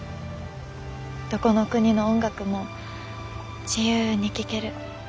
どこの国の音楽も自由に聴ける。